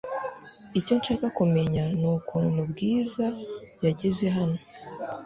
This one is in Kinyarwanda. Icyo nshaka kumenya nukuntu Bwiza yageze hano.